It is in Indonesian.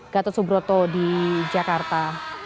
gatot subroto di jakarta